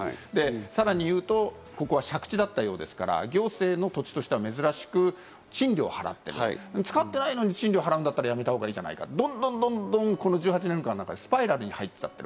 さらに言うと、ここは借地だったようですから、行政の土地としては珍しく、賃料を払ってる、使ってないのに賃料を払うならやめた方がいいんじゃないかと、どんどん１８年の中でスパイラルに入っちゃってる。